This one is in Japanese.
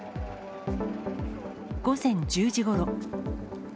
午前１０時ごろ。